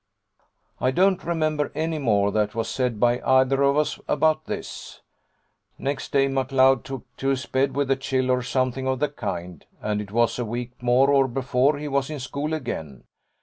'I don't remember any more that was said by either of us about this. Next day McLeod took to his bed with a chill or something of the kind, and it was a week or more before he was in school again.